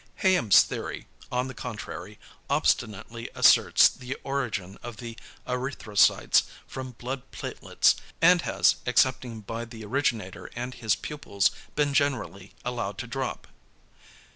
Hayem's theory, on the contrary, obstinately asserts the origin of the erythrocytes from blood platelets, and has, excepting by the originator and his pupils, been generally allowed to drop.